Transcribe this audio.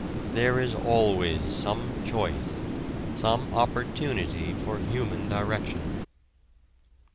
There is always some choice, some opportunity for human direction.